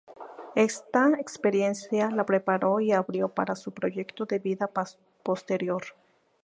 Esta experiencia la preparó y abrió para su proyecto de vida posterior.